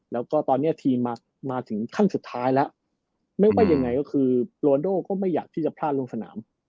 แล้วก็ตอนนี้ทีมมาถึงขั้นสุดท้ายแล้วไม่ว่ายังไงก็คือโรนโดก็ไม่อยากที่จะพลาดลงสนาม